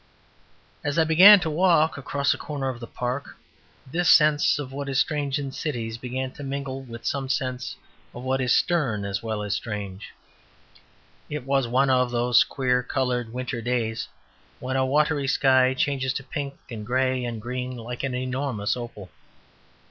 As I began to walk across a corner of the Park, this sense of what is strange in cities began to mingle with some sense of what is stern as well as strange. It was one of those queer coloured winter days when a watery sky changes to pink and grey and green, like an enormous opal.